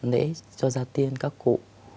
để cho ra tiên các cụ